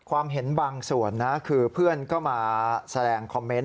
ความเห็นบางส่วนนะคือเพื่อนก็มาแสดงคอมเมนต์